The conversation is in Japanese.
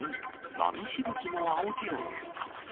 波しぶきも青白く。